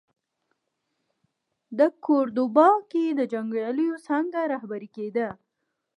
د کوردوبا کې د جنګیاليو څانګه رهبري کېده.